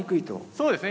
そうですね。